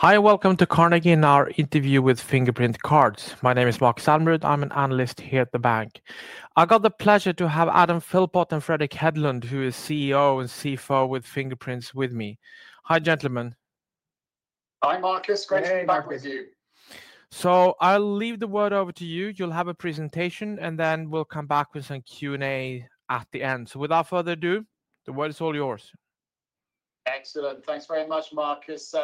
Hi, and welcome to Carnegie and our interview with Fingerprint Cards. My name is Markus Almerud. I'm an analyst here at the bank. I've got the pleasure to have Adam Philpott and Fredrik Hedlund, who is CEO and CFO with Fingerprints, with me. Hi, gentlemen. Hi, Markus. Great to be back with you. I'll leave the word over to you. You'll have a presentation, and then we'll come back with some Q&A at the end. Without further ado, the word is all yours. Excellent. Thanks very much, Markus.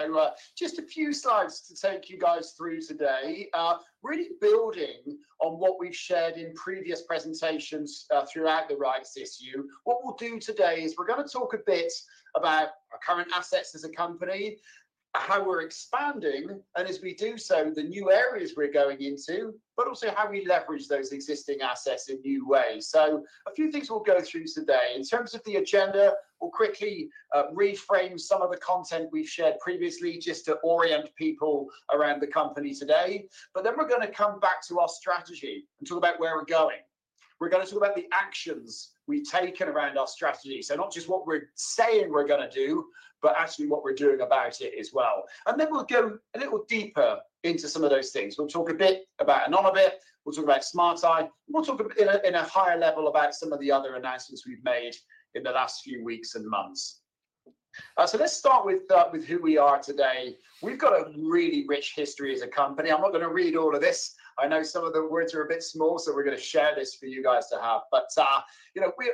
Just a few slides to take you guys through today, really building on what we've shared in previous presentations throughout the rights issue. What we'll do today is we're going to talk a bit about our current assets as a company, how we're expanding, and as we do so, the new areas we're going into, but also how we leverage those existing assets in new ways. A few things we'll go through today. In terms of the agenda, we'll quickly reframe some of the content we've shared previously just to orient people around the company today. Then we're going to come back to our strategy and talk about where we're going. We're going to talk about the actions we've taken around our strategy, not just what we're saying we're going to do, but actually what we're doing about it as well. We'll go a little deeper into some of those things. We'll talk a bit about Anonybit, we'll talk about SmartEye, and we'll talk in a higher level about some of the other announcements we've made in the last few weeks and months. Let's start with who we are today. We've got a really rich history as a company. I'm not going to read all of this. I know some of the words are a bit small, so we're going to share this for you guys to have.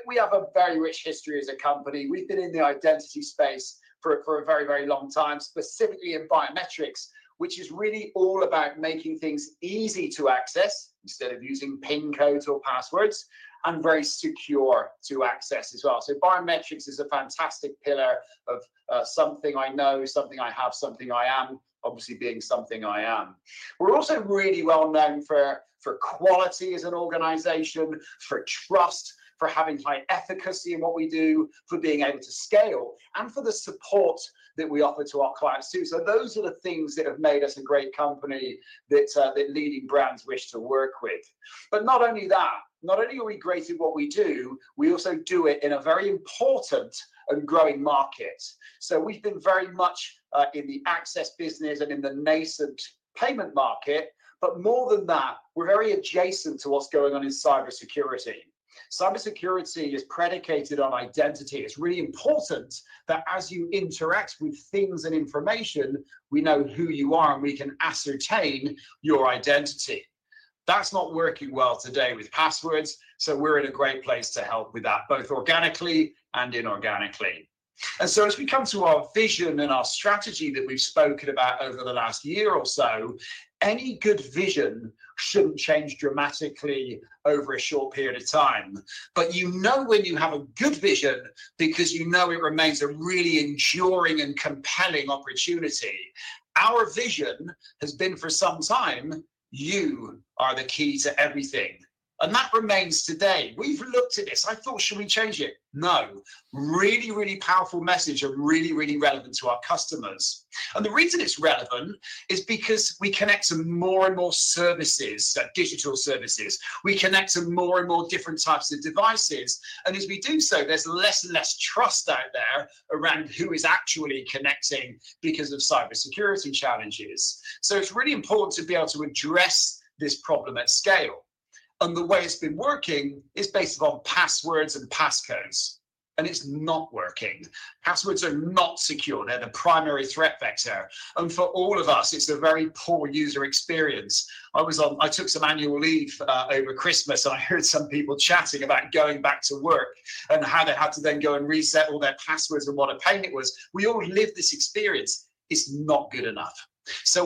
We have a very rich history as a company. We've been in the identity space for a very, very long time, specifically in biometrics, which is really all about making things easy to access instead of using PIN codes or passwords, and very secure to access as well. Biometrics is a fantastic pillar of something I know, something I have, something I am, obviously being something I am. We're also really well known for quality as an organization, for trust, for having high efficacy in what we do, for being able to scale, and for the support that we offer to our clients too. Those are the things that have made us a great company that leading brands wish to work with. Not only are we great at what we do, we also do it in a very important and growing market. We've been very much in the access business and in the nascent payment market, but more than that, we're very adjacent to what's going on in cybersecurity. Cybersecurity is predicated on identity. It's really important that as you interact with things and information, we know who you are and we can ascertain your identity. That's not working well today with passwords, so we're in a great place to help with that, both organically and inorganically. As we come to our vision and our strategy that we've spoken about over the last year or so, any good vision shouldn't change dramatically over a short period of time. You know when you have a good vision because you know it remains a really enduring and compelling opportunity. Our vision has been for some time, you are the key to everything. That remains today. We've looked at this. I thought, should we change it? No. Really, really powerful message and really, really relevant to our customers. The reason it's relevant is because we connect to more and more services, digital services. We connect to more and more different types of devices. As we do so, there's less and less trust out there around who is actually connecting because of cybersecurity challenges. It's really important to be able to address this problem at scale. The way it's been working is based upon passwords and passcodes, and it's not working. Passwords are not secure. They're the primary threat vector. For all of us, it's a very poor user experience. I took some annual leave over Christmas, and I heard some people chatting about going back to work and how they had to then go and reset all their passwords and what a pain it was. We all lived this experience. It's not good enough.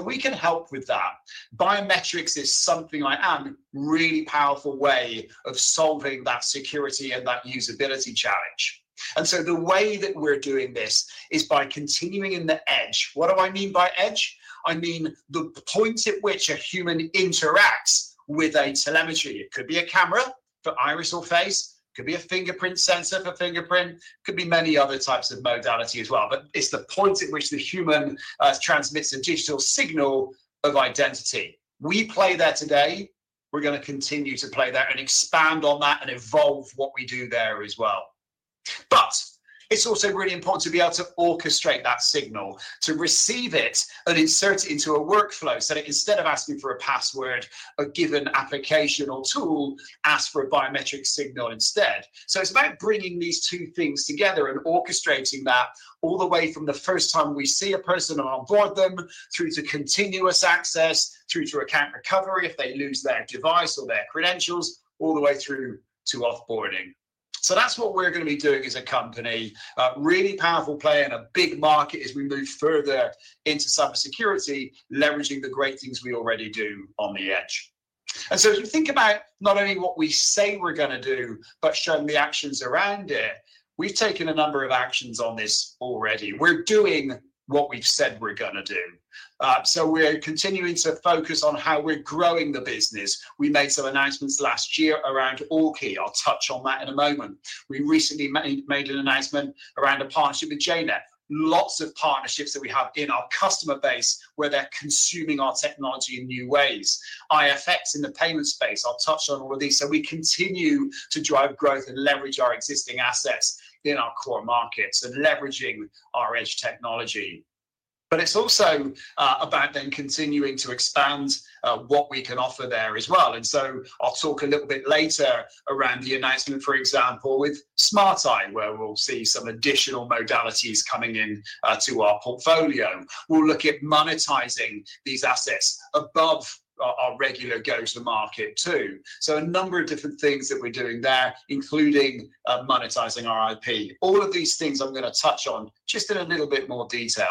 We can help with that. Biometrics is something like another really powerful way of solving that security and that usability challenge. The way that we're doing this is by continuing in the edge. What do I mean by edge? I mean the point at which a human interacts with a telemetry. It could be a camera for iris or face, could be a fingerprint sensor for fingerprint, could be many other types of modality as well. It's the point at which the human transmits a digital signal of identity. We play that today. We're going to continue to play that and expand on that and evolve what we do there as well. It's also really important to be able to orchestrate that signal, to receive it and insert it into a workflow so that instead of asking for a password, a given application or tool asks for a biometric signal instead. It is about bringing these two things together and orchestrating that all the way from the first time we see a person onboard them, through to continuous access, through to account recovery if they lose their device or their credentials, all the way through to offboarding. That is what we are going to be doing as a company. Really powerful play in a big market as we move further into cybersecurity, leveraging the great things we already do on the edge. As we think about not only what we say we are going to do, but showing the actions around it, we have taken a number of actions on this already. We are doing what we have said we are going to do. We are continuing to focus on how we are growing the business. We made some announcements last year around O-Key. I will touch on that in a moment. We recently made an announcement around a partnership with jNet. Lots of partnerships that we have in our customer base where they're consuming our technology in new ways. Infineon in the payment space. I'll touch on all of these. We continue to drive growth and leverage our existing assets in our core markets and leveraging our edge technology. It is also about then continuing to expand what we can offer there as well. I'll talk a little bit later around the announcement, for example, SmartEye, where we'll see some additional modalities coming into our portfolio. We will look at these assets above our regular go-to-market too. A number of different things that we're doing there, including monetizing our IP. All of these things I'm going to touch on just in a little bit more detail.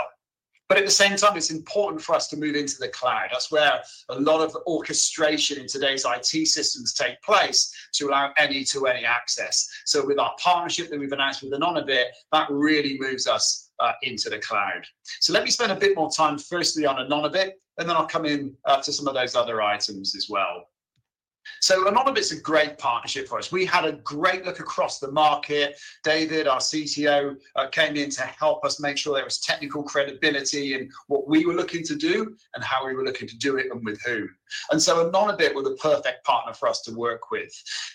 At the same time, it's important for us to move into the cloud. That's where a lot of orchestration in today's IT systems takes place to allow any-to-any access. With our partnership that we've announced with Anonybit, that really moves us into the cloud. Let me spend a bit more time firstly on Anonybit, and then I'll come in to some of those other items as well. Anonybit is a great partnership for us. We had a great look across the market. David, our CTO, came in to help us make sure there was technical credibility in what we were looking to do and how we were looking to do it and with whom. Anonybit was a perfect partner for us to work with.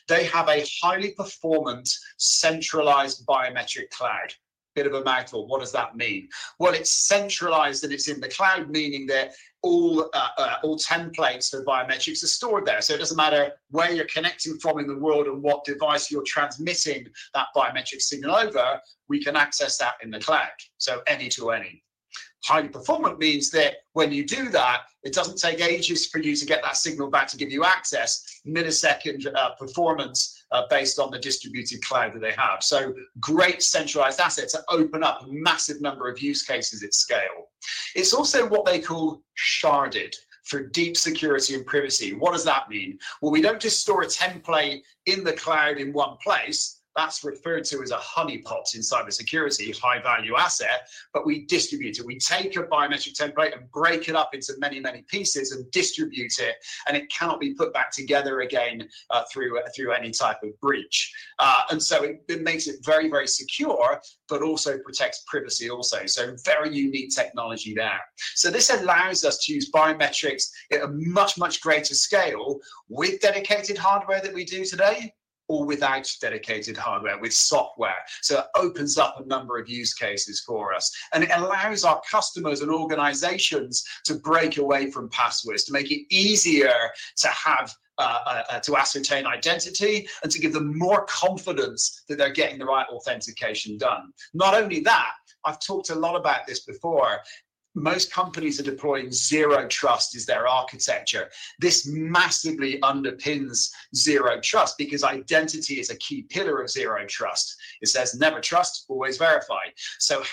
They have a highly performant centralized biometric cloud. Bit of a mouthful. What does that mean? It is centralized and it is in the cloud, meaning that all templates for biometrics are stored there. It does not matter where you are connecting from in the world and what device you are transmitting that biometric signal over, we can access that in the cloud. Any-to-any. Highly performant means that when you do that, it does not take ages for you to get that signal back to give you access, millisecond performance based on the distributed cloud that they have. Great centralized assets that open up a massive number of use cases at scale. It is also what they call sharded for deep security and privacy. What does that mean? We do not just store a template in the cloud in one place. That is referred to as a honeypot in cybersecurity, a high-value asset, but we distribute it. We take a biometric template and break it up into many, many pieces and distribute it, and it cannot be put back together again through any type of breach. It makes it very, very secure, but also protects privacy also. Very unique technology there. This allows us to use biometrics at a much, much greater scale with dedicated hardware that we do today or without dedicated hardware, with software. It opens up a number of use cases for us. It allows our customers and organizations to break away from passwords, to make it easier to ascertain identity and to give them more confidence that they're getting the right authentication done. Not only that, I've talked a lot about this before. Most companies are deploying zero trust as their architecture. This massively underpins zero trust because identity is a key pillar of zero trust. It says never trust, always verify.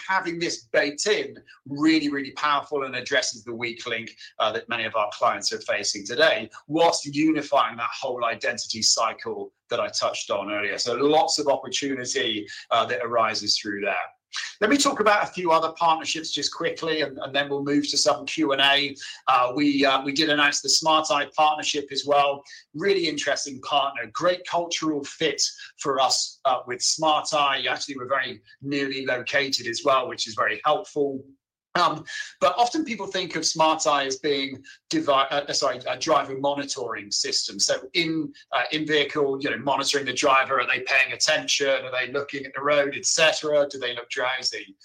Having this baked in is really, really powerful and addresses the weak link that many of our clients are facing today, whilst unifying that whole identity cycle that I touched on earlier. Lots of opportunity arises through that. Let me talk about a few other partnerships just quickly, and then we'll move to some Q&A. We did announce SmartEye partnership as well. Really interesting partner. Great cultural fit for us SmartEye. Actually, we're very nearly located as well, which is very helpful. Often people think SmartEye as being a driver monitoring system. In vehicle, monitoring the driver. Are they paying attention? Are they looking at the road, etc.? Do they look drowsy?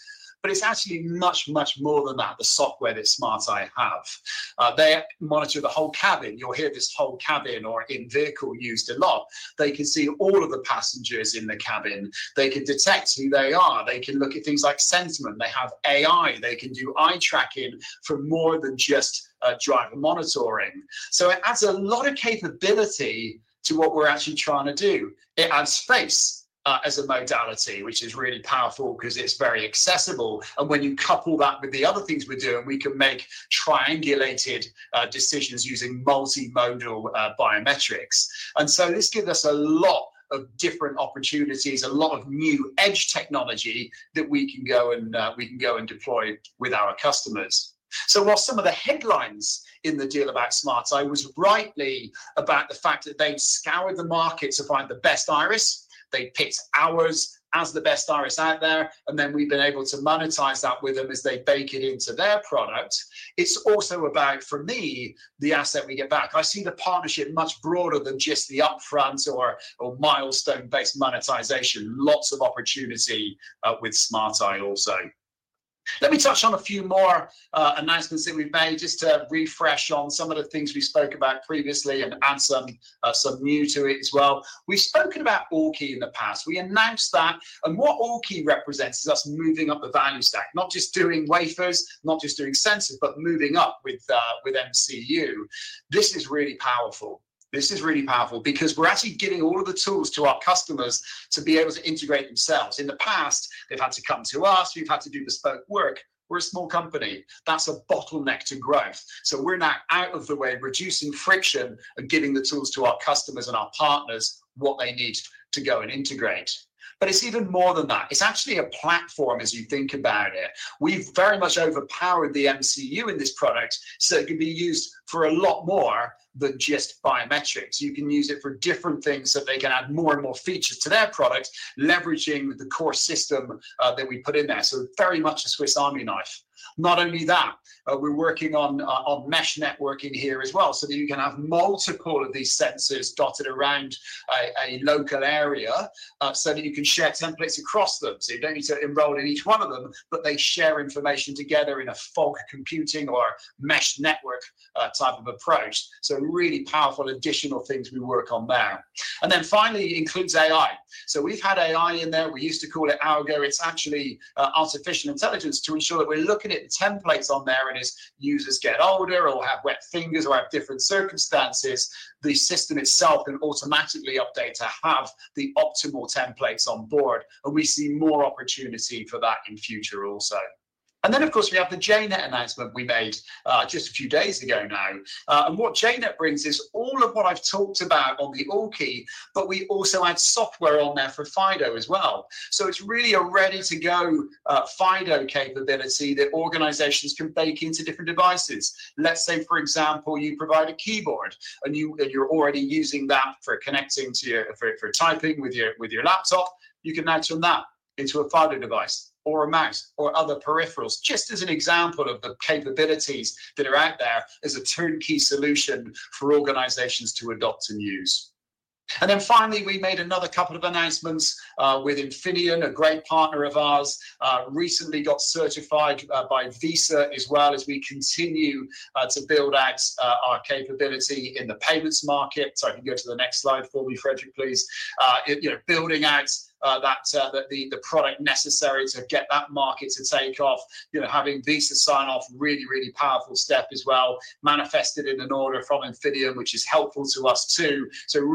It is actually much, much more than that, the software SmartEye have. They monitor the whole cabin. You'll hear this whole cabin or in-vehicle used a lot. They can see all of the passengers in the cabin. They can detect who they are. They can look at things like sentiment. They have AI. They can do eye tracking for more than just driver monitoring. It adds a lot of capability to what we're actually trying to do. It adds face as a modality, which is really powerful because it's very accessible. When you couple that with the other things we're doing, we can make triangulated decisions using multimodal biometrics. This gives us a lot of different opportunities, a lot of new edge technology that we can go and deploy with our customers. While some of the headlines in the deal SmartEye were rightly about the fact that they've scoured the market to find the best iris, they picked ours as the best iris out there, and then we've been able to monetize that with them as they bake it into their product. It's also about, for me, the asset we get back. I see the partnership much broader than just the upfront or milestone-based monetization. Lots of opportunity SmartEye also. Let me touch on a few more announcements that we've made just to refresh on some of the things we spoke about previously and add some new to it as well. We've spoken about O-Key in the past. We announced that. What O-Key represents is us moving up the value stack, not just doing wafers, not just doing sensors, but moving up with MCU. This is really powerful. This is really powerful because we're actually giving all of the tools to our customers to be able to integrate themselves. In the past, they've had to come to us. We've had to do bespoke work. We're a small company. That's a bottleneck to growth. We are now out of the way, reducing friction and giving the tools to our customers and our partners what they need to go and integrate. It is even more than that. It is actually a platform as you think about it. We've very much overpowered the MCU in this product so it can be used for a lot more than just biometrics. You can use it for different things so they can add more and more features to their product, leveraging the core system that we put in there. Very much a Swiss Army knife. Not only that, we're working on mesh networking here as well so that you can have multiple of these sensors dotted around a local area so that you can share templates across them. You don't need to enroll in each one of them, but they share information together in a fog computing or mesh network type of approach. Really powerful additional things we work on there. Finally, it includes AI. We've had AI in there. We used to call it algo. It's actually artificial intelligence to ensure that we're looking at the templates on there. As users get older or have wet fingers or have different circumstances, the system itself can automatically update to have the optimal templates on board. We see more opportunity for that in future also. Of course, we have the jNet announcement we made just a few days ago now. What jNet brings is all of what I have talked about on the O-Key, but we also add software on there for FIDO as well. It is really a ready-to-go FIDO capability that organizations can bake into different devices. Let's say, for example, you provide a keyboard and you are already using that for connecting to your typing with your laptop, you can match on that into a FIDO device or a mouse or other peripherals, just as an example of the capabilities that are out there as a turnkey solution for organizations to adopt and use. Finally, we made another couple of announcements with Infineon, a great partner of ours, recently got certified by Visa as well as we continue to build out our capability in the payments market. If you go to the next slide for me, Fredrik, please. Building out the product necessary to get that market to take off, having Visa sign off, really, really powerful step as well, manifested in an order from Infineon, which is helpful to us too.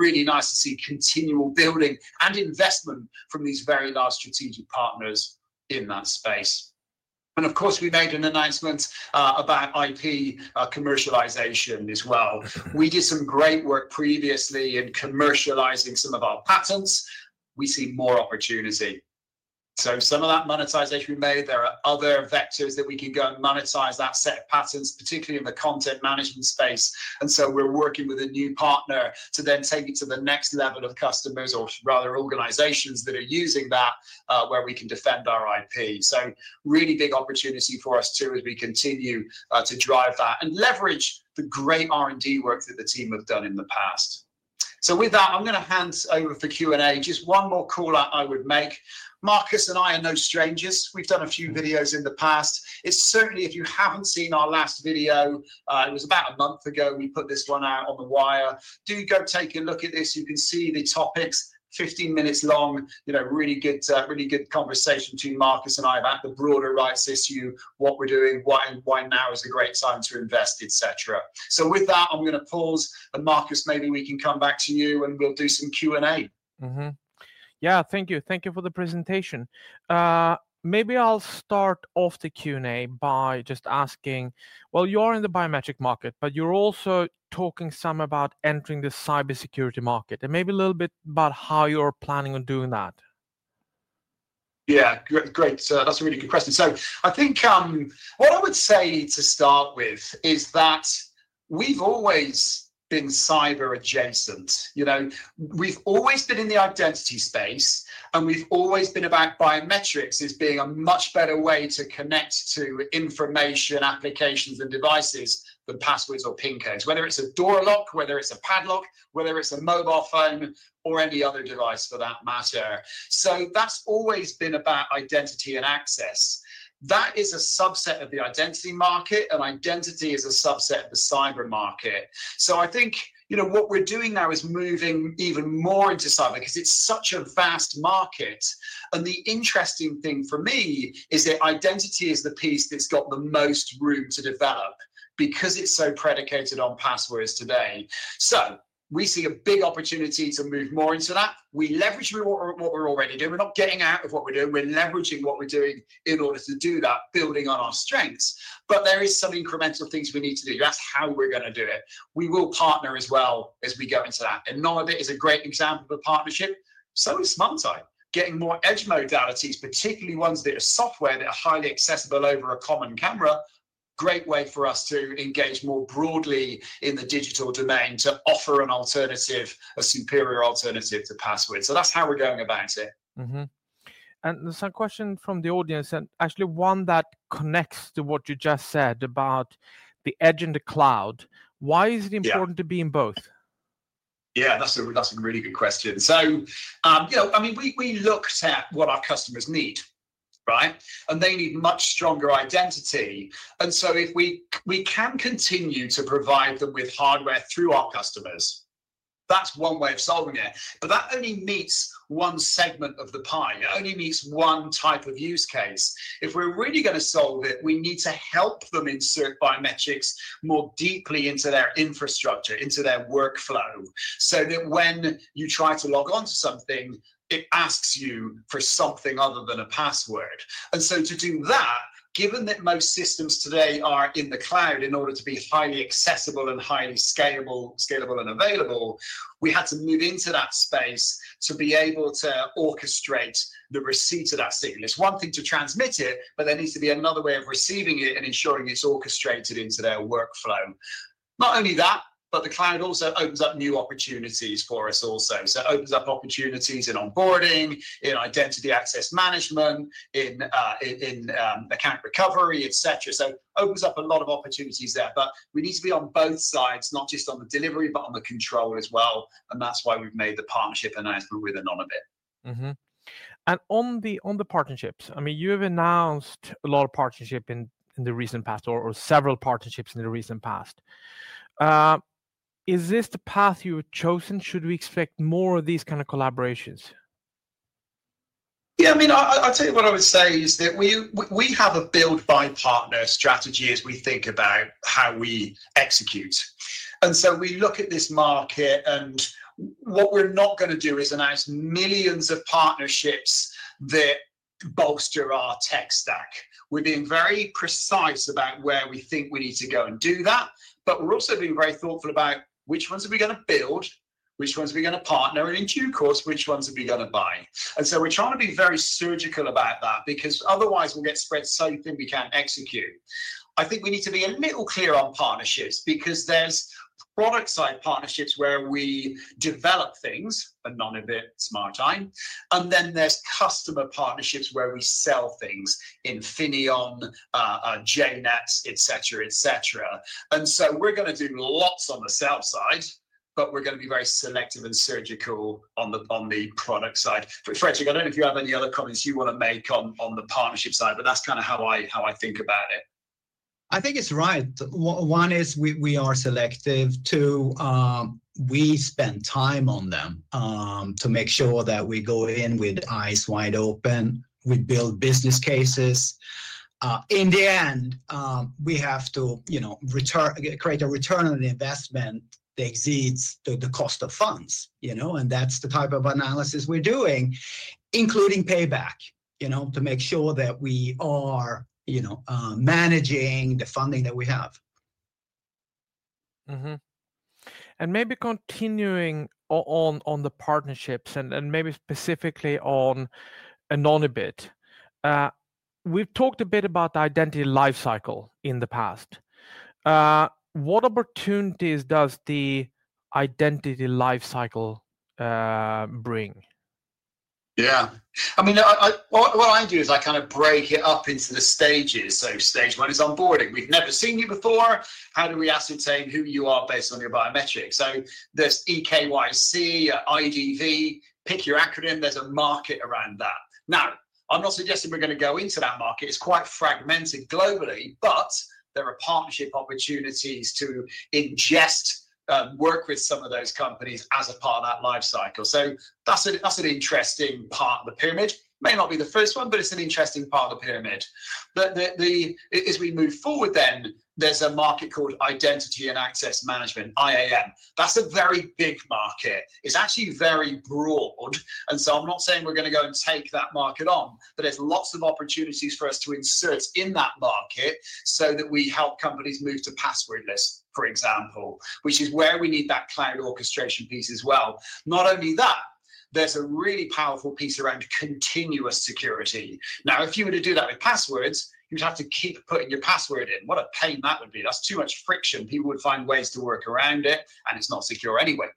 Really nice to see continual building and investment from these very large strategic partners in that space. Of course, we made an announcement about IP commercialization as well. We did some great work previously in commercializing some of our patents. We see more opportunity. Some of that monetization we made, there are other vectors that we can go and monetize that set of patents, particularly in the content management space. We are working with a new partner to then take it to the next level of customers or rather organizations that are using that where we can defend our IP. Really big opportunity for us too as we continue to drive that and leverage the great R&D work that the team have done in the past. With that, I'm going to hand over for Q&A. Just one more call I would make. Markus and I are no strangers. We've done a few videos in the past. Certainly, if you haven't seen our last video, it was about a month ago we put this one out on the wire. Do go take a look at this. You can see the topics, 15 minutes long, really good conversation to Markus and I about the broader rights issue, what we're doing, why now is a great time to invest, etc. With that, I'm going to pause. Markus, maybe we can come back to you and we'll do some Q&A. Yeah, thank you. Thank you for the presentation. Maybe I'll start off the Q&A by just asking, well, you're in the biometric market, but you're also talking some about entering the cybersecurity market and maybe a little bit about how you're planning on doing that. Yeah, great. That's a really good question. I think what I would say to start with is that we've always been cyber adjacent. We've always been in the identity space, and we've always been about biometrics as being a much better way to connect to information, applications, and devices than passwords or PIN codes, whether it's a door lock, whether it's a padlock, whether it's a mobile phone, or any other device for that matter. That's always been about identity and access. That is a subset of the identity market, and identity is a subset of the cyber market. I think what we're doing now is moving even more into cyber because it's such a vast market. The interesting thing for me is that identity is the piece that's got the most room to develop because it's so predicated on passwords today. We see a big opportunity to move more into that. We leverage what we're already doing. We're not getting out of what we're doing. We're leveraging what we're doing in order to do that, building on our strengths. There are some incremental things we need to do. That's how we're going to do it. We will partner as well as we go into that. Anonybit is a great example of a partnership. So is SmartEye. Getting more edge modalities, particularly ones that are software that are highly accessible over a common camera, great way for us to engage more broadly in the digital domain to offer an alternative, a superior alternative to passwords. That is how we are going about it. There is a question from the audience, and actually one that connects to what you just said about the edge and the cloud. Why is it important to be in both? Yeah, that is a really good question. I mean, we looked at what our customers need, right? They need much stronger identity. If we can continue to provide them with hardware through our customers, that is one way of solving it. That only meets one segment of the pie. It only meets one type of use case. If we're really going to solve it, we need to help them insert biometrics more deeply into their infrastructure, into their workflow, so that when you try to log on to something, it asks you for something other than a password. To do that, given that most systems today are in the cloud in order to be highly accessible and highly scalable and available, we had to move into that space to be able to orchestrate the receipt of that signal. It's one thing to transmit it, but there needs to be another way of receiving it and ensuring it's orchestrated into their workflow. Not only that, the cloud also opens up new opportunities for us also. It opens up opportunities in onboarding, in identity access management, in account recovery, etc. It opens up a lot of opportunities there. We need to be on both sides, not just on the delivery, but on the control as well. That is why we have made the partnership announcement with Anonybit. On the partnerships, I mean, you have announced a lot of partnerships in the recent past or several partnerships in the recent past. Is this the path you have chosen? Should we expect more of these kinds of collaborations? Yeah, I mean, I'll tell you what I would say is that we have a build-by-partner strategy as we think about how we execute. We look at this market, and what we are not going to do is announce millions of partnerships that bolster our tech stack. We are being very precise about where we think we need to go and do that. We are also being very thoughtful about which ones we are going to build, which ones we are going to partner, and in due course, which ones we are going to buy. We are trying to be very surgical about that because otherwise we will get spread so thin we cannot execute. I think we need to be a little clear on partnerships because there are product-side partnerships where we develop things, Anonybit, SmartEye, and then there are customer partnerships where we sell things, Infineon, jNet, etc., etc. We are going to do lots on the sell side, but we are going to be very selective and surgical on the product side. Fredrik, I do not know if you have any other comments you want to make on the partnership side, but that is kind of how I think about it. I think it is right. One is we are selective. Two, we spend time on them to make sure that we go in with eyes wide open. We build business cases. In the end, we have to create a return on the investment that exceeds the cost of funds. That is the type of analysis we're doing, including payback, to make sure that we are managing the funding that we have. Maybe continuing on the partnerships and maybe specifically on Anonybit, we've talked a bit about the identity lifecycle in the past. What opportunities does the identity lifecycle bring? Yeah. I mean, what I do is I kind of break it up into the stages. Stage one is onboarding. We've never seen you before. How do we ascertain who you are based on your biometrics? There is eKYC, IDV, pick your acronym. There is a market around that. Now, I'm not suggesting we're going to go into that market. It's quite fragmented globally, but there are partnership opportunities to ingest, work with some of those companies as a part of that lifecycle. That's an interesting part of the pyramid. It may not be the first one, but it's an interesting part of the pyramid. As we move forward, there's a market called Identity and Access Management, IAM. That's a very big market. It's actually very broad. I'm not saying we're going to go and take that market on, but there's lots of opportunities for us to insert in that market so that we help companies move to passwordless, for example, which is where we need that cloud orchestration piece as well. Not only that, there's a really powerful piece around continuous security. Now, if you were to do that with passwords, you'd have to keep putting your password in. What a pain that would be. That's too much friction. People would find ways to work around it, and it's not secure anyway.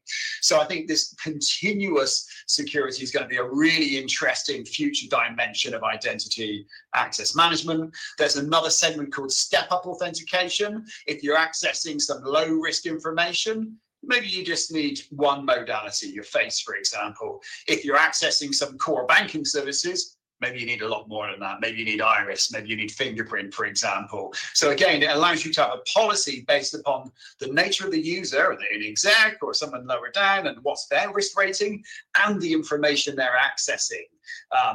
I think this continuous security is going to be a really interesting future dimension of identity access management. There's another segment called step-up authentication. If you're accessing some low-risk information, maybe you just need one modality, your face, for example. If you're accessing some core banking services, maybe you need a lot more than that. Maybe you need iris. Maybe you need fingerprint, for example. It allows you to have a policy based upon the nature of the user, whether they're an exec or someone lower down, and what's their risk rating and the information they're accessing. A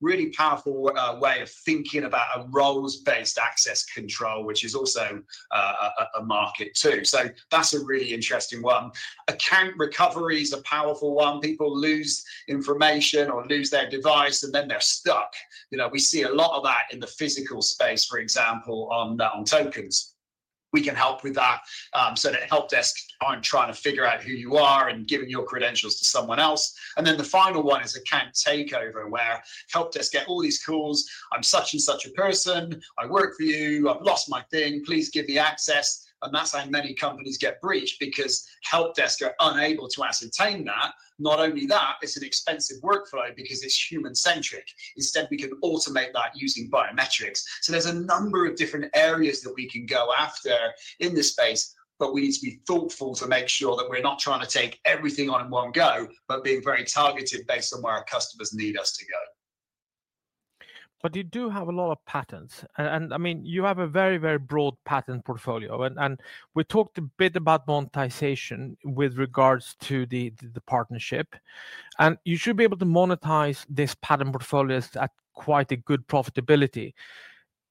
really powerful way of thinking about a roles-based access control, which is also a market too. That's a really interesting one. Account recovery is a powerful one. People lose information or lose their device, and then they're stuck. We see a lot of that in the physical space, for example, on tokens. We can help with that so that help desk aren't trying to figure out who you are and giving your credentials to someone else. The final one is account takeover where help desk get all these calls. I'm such and such a person. I work for you. I've lost my thing. Please give me access. That's how many companies get breached because help desk are unable to ascertain that. Not only that, it's an expensive workflow because it's human-centric. Instead, we can automate that using biometrics. There are a number of different areas that we can go after in this space, but we need to be thoughtful to make sure that we're not trying to take everything on in one go, but being very targeted based on where our customers need us to go. You do have a lot of patents. I mean, you have a very, very broad patent portfolio. We talked a bit about monetization with regards to the partnership. You should be able to monetize this patent portfolio at quite a good profitability.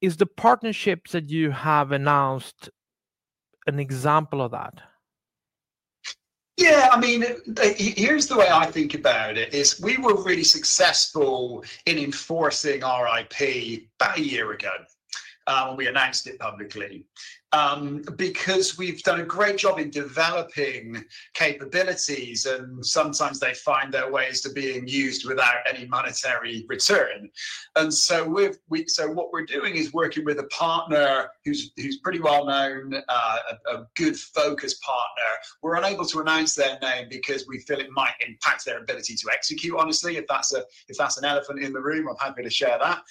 Are the partnerships that you have announced an example of that? Yeah, I mean, here's the way I think about it. We were really successful in enforcing our IP about a year ago when we announced it publicly because we've done a great job in developing capabilities, and sometimes they find their ways to being used without any monetary return. What we're doing is working with a partner who's pretty well known, a good focus partner. We're unable to announce their name because we feel it might impact their ability to execute, honestly. If that's an elephant in the room, I'm happy to share that.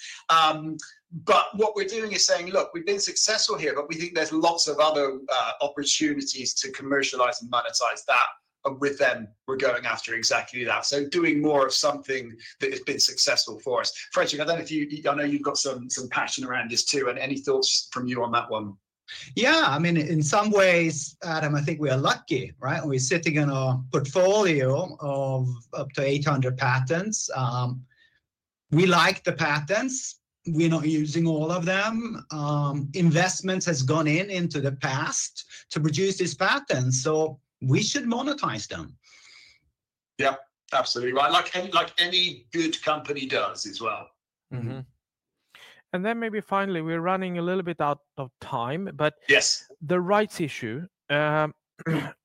What we're doing is saying, "Look, we've been successful here, but we think there's lots of other opportunities to commercialize and monetize that." With them, we're going after exactly that. Doing more of something that has been successful for us. Fredrik, I don't know if you I know you've got some passion around this too. Any thoughts from you on that one? Yeah. I mean, in some ways, Adam, I think we are lucky, right? We're sitting on a portfolio of up to 800 patents. We like the patents. We're not using all of them. Investment has gone in into the past to produce these patents. We should monetize them. Yep. Absolutely right. Like any good company does as well. Maybe finally, we're running a little bit out of time, but the rights issue.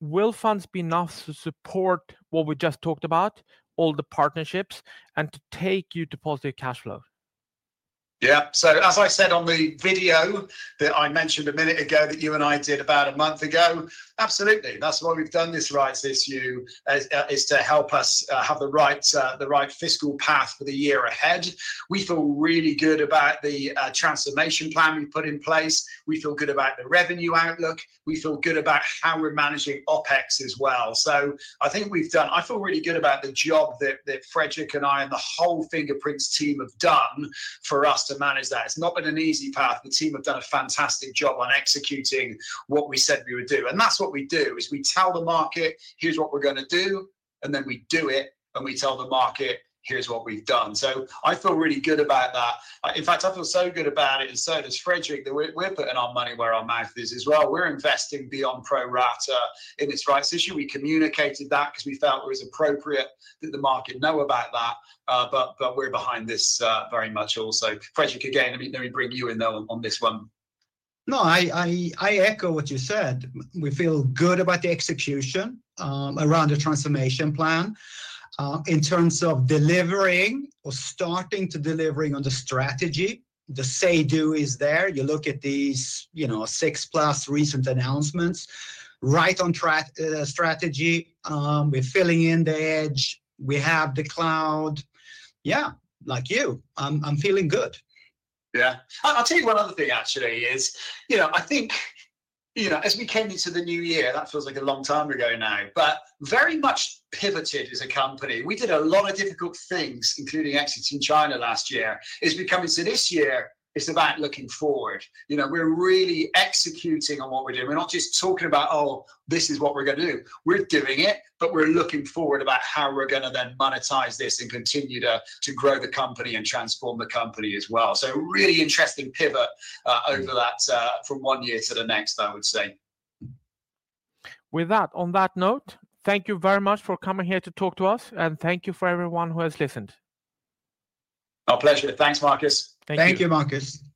Will funds be enough to support what we just talked about, all the partnerships, and to take you to positive cash flow? Yeah. As I said on the video that I mentioned a minute ago that you and I did about a month ago, absolutely. That's why we've done this rights issue is to help us have the right fiscal path for the year ahead. We feel really good about the transformation plan we've put in place. We feel good about the revenue outlook. We feel good about how we're managing OpEx as well. I think we've done, I feel really good about the job that Fredrik and I and the whole Fingerprints team have done for us to manage that. It's not been an easy path. The team have done a fantastic job on executing what we said we would do. That is what we do: we tell the market, "Here's what we're going to do," and then we do it, and we tell the market, "Here's what we've done." I feel really good about that. In fact, I feel so good about it, and so does Fredrik, that we're putting our money where our mouth is as well. We're investing beyond pro rata in this rights issue. We communicated that because we felt it was appropriate that the market know about that. We are behind this very much also. Fredrik, again, let me bring you in on this one. No, I echo what you said. We feel good about the execution around the transformation plan. In terms of delivering or starting to deliver on the strategy, the say-do is there. You look at these six-plus recent announcements, right on track strategy. We are filling in the edge. We have the cloud. Yeah, like you. I am feeling good. Yeah. I will tell you one other thing, actually, is I think as we came into the new year, that feels like a long time ago now, but very much pivoted as a company. We did a lot of difficult things, including exits in China last year. It is becoming so this year, it is about looking forward. We're really executing on what we're doing. We're not just talking about, "Oh, this is what we're going to do." We're doing it, but we're looking forward about how we're going to then monetize this and continue to grow the company and transform the company as well. Really interesting pivot over that from one year to the next, I would say. With that, on that note, thank you very much for coming here to talk to us, and thank you for everyone who has listened. Our pleasure. Thanks, Markus. Thank you. Thank you, Markus.